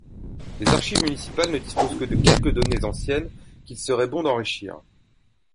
Les archives municipales ne disposent que de quelques données anciennes qu’il serait bon d’enrichir.